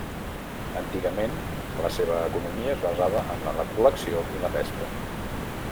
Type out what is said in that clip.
Antigament la seva economia es basava en la recol·lecció i la pesca.